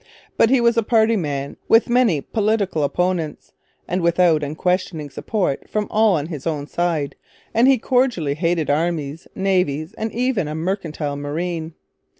But he was a party man, with many political opponents, and without unquestioning support from all on his own side, and he cordially hated armies, navies, and even a mercantile marine.